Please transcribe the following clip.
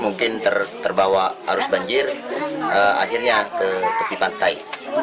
mungkin terbawa arus banjir akhirnya ke tepi pantai